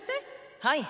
はい。